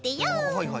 はいはい。